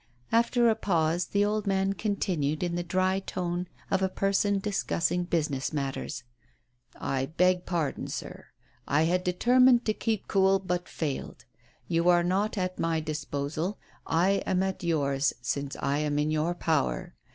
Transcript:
After a pause the old man continued in the dry tone of a person discussing business matters : "I beg pardon, sir. I had determined to keep cool MADEMOISELLE FLA VIE. 79 but failed. You are not at my disposal ; I am at yours, since I am in your power.